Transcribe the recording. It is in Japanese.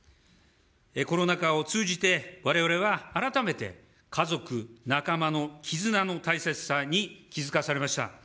コロナ禍を通じて、われわれは改めて家族、仲間の絆の大切さに気付かされました。